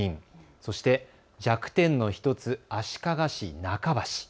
そして弱点の１つ、足利市、中橋。